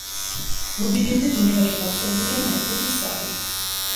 რუბიდიუმი ბუნებაში გავრცელებულია ნაერთების სახით.